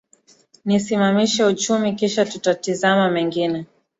Nisimamishe uchumi kisha tutatizama mengine